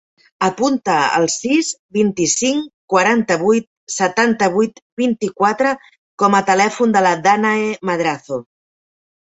Apunta el sis, vint-i-cinc, quaranta-vuit, setanta-vuit, vint-i-quatre com a telèfon de la Dànae Madrazo.